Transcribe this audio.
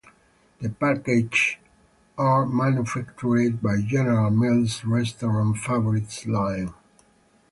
The packages are manufactured by General Mills Restaurant Favorites line.